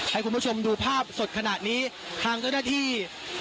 ให้คุณผู้ชมดูภาพสดขณะนี้ทางเจ้าหน้าที่